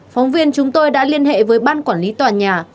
phóng viên chúng tôi đã liên hệ với ban quản lý tòa nhà